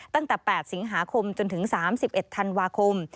ตั้งแต่๘สิงหาคมจนถึง๓๑ธันวาคม